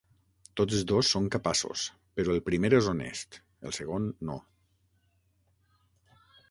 Tots dos són capaços: però el primer és honest, el segon no.